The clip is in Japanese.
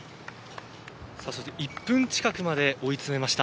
１分近くまで追い詰めました。